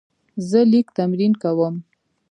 زه لیک تمرین کوم.